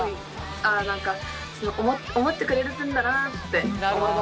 ああ何か思ってくれてるんだなって思って。